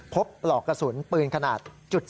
ปลอกกระสุนปืนขนาด๓๔